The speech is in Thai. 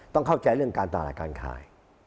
ต้องเข้าใจเรื่องการตลาดการขาย